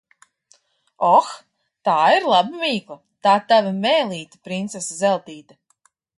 Oh, tā ir laba mīkla! Tā tava mēlīte, princese Zeltīte.